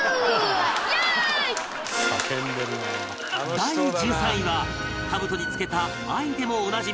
第１３位は兜につけた「愛」でもおなじみ